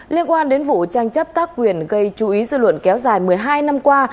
liên quan đến vụ tranh chấp tác quyền gây chú ý dư luận kéo dài một mươi hai năm qua